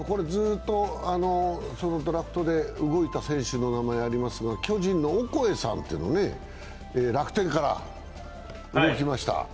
ドラフトで動いた選手の名前がありますが巨人のオコエさん、楽天から動きました。